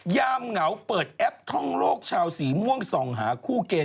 ยามเหงาเปิดแอปท่องโลกชาวสีม่วงส่องหาคู่เกณ